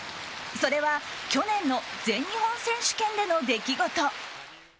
それは、去年の全日本選手権での出来事。